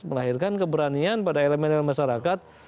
melahirkan keberanian pada elemen elemen masyarakat